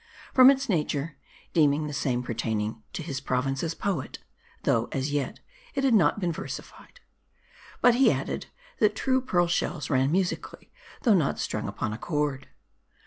From its nature, deeming the same pertaining to his province as poet ; though, as yet, it had not been versi fied. But he added, that true pearl shells rang musically, though not strung upon a cord.